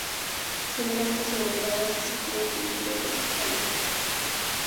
Se levanta sobre gradas y se cubre con bóveda vaída.